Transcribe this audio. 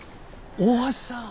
大橋さん。